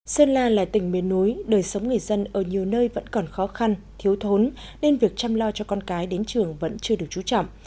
sơn la là tỉnh miền núi đời sống người dân ở nhiều nơi vẫn còn khó khăn thiếu thốn nên việc chăm lo cho con cái đến trường vẫn chưa được trú trọng